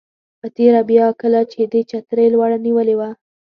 په تېره بیا کله چې دې چترۍ لوړه نیولې وه.